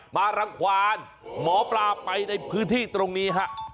รังความหมอปลาไปในพื้นที่ตรงนี้ฮะ